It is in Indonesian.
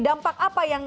dampak apa yang